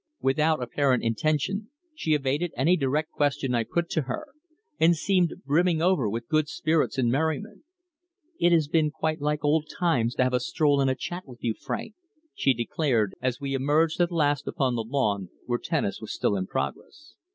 Without apparent intention she evaded any direct question I put to her, and seemed brimming over with good spirits and merriment. "It has been quite like old times to have a stroll and a chat with you, Frank," she declared, as we emerged at last upon the lawn, where tennis was still in progress.